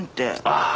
ああ！